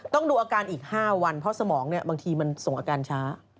ดูอาการอีก๕วันเพราะสมองบางทีมันส่งอาการช้า